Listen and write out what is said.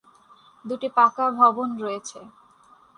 দুইটি পাকা ভবন রয়েছে।।